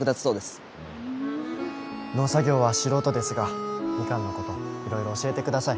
農作業は素人ですがみかんのこといろいろ教えてください。